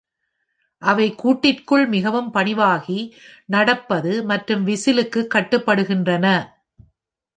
அவை கூண்டிற்குள் மிகவும் பணிவாகி, நடப்பது மற்றும் விசிலுக்கு கட்டுப்படுகின்றன.